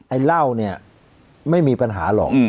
เหล้าเนี่ยไม่มีปัญหาหรอก